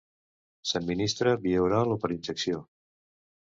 S'administra via oral o per injecció.